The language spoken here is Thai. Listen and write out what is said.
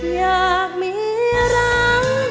อยากมีรัง